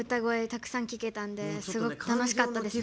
たくさん聴けたのですごく楽しかったです。